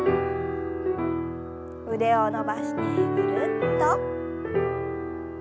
腕を伸ばしてぐるっと。